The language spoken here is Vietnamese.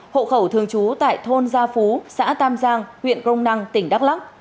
hộ khẩu thường trú tại thôn gia phú xã tam giang huyện crong năng tỉnh đắk lắc